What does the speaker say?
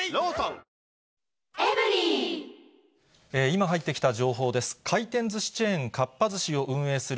今入ってきた情報です。